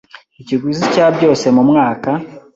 ikiguzi cya byose mu mwaka